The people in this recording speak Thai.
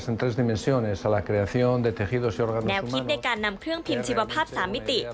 แนวคิดในการนำเครื่องพิมพ์ชีวภาพ๓มิติ